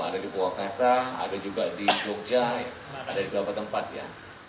ada di purwakarta ada juga di jogja ada di beberapa tempat ya